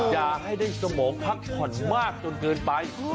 อย่าให้ได้สมองพักผ่อนมากจนเกินไป